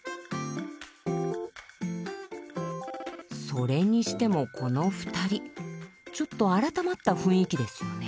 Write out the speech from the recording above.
それにしてもこの２人ちょっと改まった雰囲気ですよね。